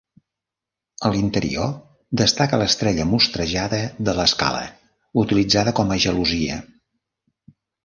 A l'interior destaca l'estrella mostrejada de l'escala, utilitzada com a gelosia.